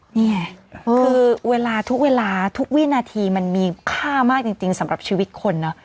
นี่ไงคือเวลาทุกเวลาทุกวินาทีมันมีค่ามากจริงสำหรับชีวิตคนเนอะ